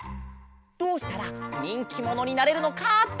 どうしたらにんきものになれるのかってはなし。